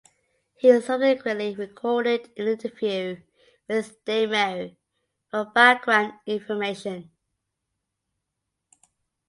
She subsequently recorded an interview with Dame Mary for background information.